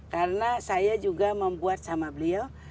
karena saya juga membuat sama beliau